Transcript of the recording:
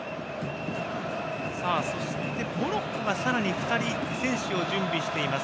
そして、モロッコがさらに２人選手を準備しています。